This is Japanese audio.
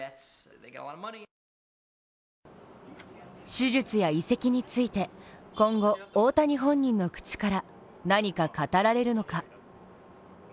手術や移籍について、今後、大谷本人の口から何か語られるのか。